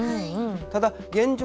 ただ現状